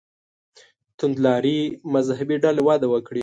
توندلارې مذهبي ډلې وده وکړي.